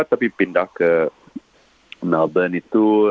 tapi pindah ke melbourne itu